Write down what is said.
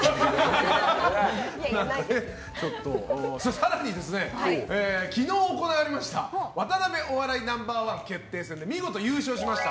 更に、昨日行われました「ワタナベお笑いＮｏ．１決定戦」で見事優勝しました